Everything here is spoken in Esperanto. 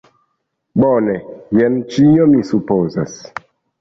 Bone, jen ĉio mi supozas!